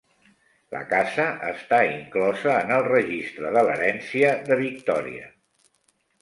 La casa està inclosa en el Registre de l'Herència de Victòria.